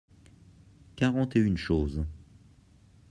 Quarante et une choses.